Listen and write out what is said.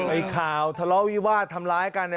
ไอ้ข่าวทะเลาวีวาดทำร้ายกัน